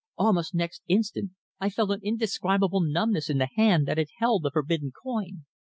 Almost next instant I felt an indescribable numbness in the hand that had held the forbidden coin.